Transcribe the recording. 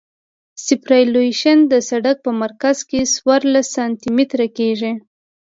سوپرایلیویشن د سرک په مرکز کې څوارلس سانتي متره کیږي